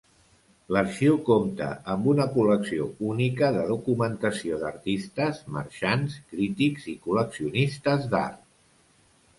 L'Arxiu compta amb una col·lecció única de documentació d'artistes, marxants, crítics i col·leccionistes d'art.